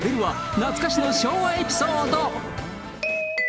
懐かしの昭和エピソード。